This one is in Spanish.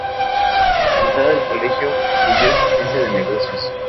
Egresada del colegio estudió Asistencia de Negocios.